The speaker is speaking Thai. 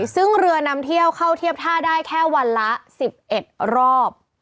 ซึ่งเรือนำเที่ยวเข้าเทียบท่าได้แค่วันละ๑๑รอบ